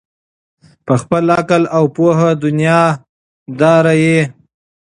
په خپل عقل او په پوهه دنیادار یې